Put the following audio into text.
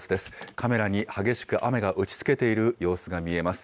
カメラに激しく雨が打ちつけている様子が見えます。